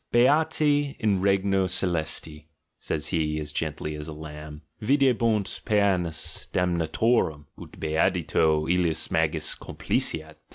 "Beati in regno celesti," says he, as gently as a lamb, "videbunt pcenas damnatorum, ut beatitudo Mis magis complaceat."